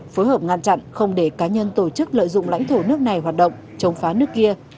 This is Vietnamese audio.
phối hợp ngăn chặn không để cá nhân tổ chức lợi dụng lãnh thổ nước này hoạt động chống phá nước kia